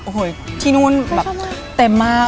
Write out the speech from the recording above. โอ้โหที่นู่นแบบเต็มมาก